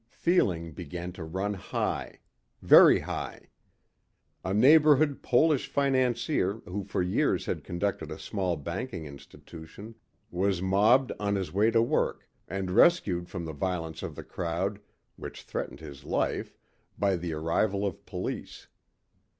Feeling began to run high. Very high. A neighborhood Polish financier who for years had conducted a small banking institution was mobbed on his way to work and rescued from the violence of the crowd, which threatened his life by the arrival of police.